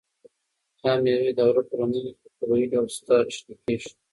دا مېوې د غره په لمنو کې په طبیعي ډول شنه کیږي.